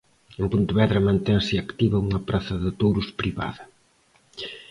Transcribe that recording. En Pontevedra mantense activa unha praza de touros privada.